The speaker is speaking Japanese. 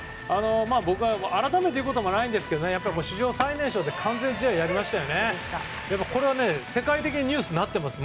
僕が改めて言うこともないんですけどやっぱり史上最年少で完全試合をやりましたがこれも世界的なニュースになっています。